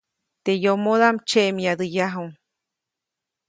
Teʼ yomodaʼm tsyeʼmyadäyaju.